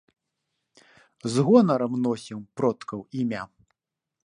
З гонарам носім продкаў імя.